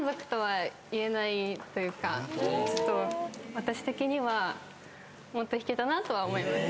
私的にはもっと弾けたなとは思います。